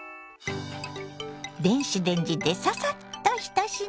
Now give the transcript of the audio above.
電子レンジでササッと１品。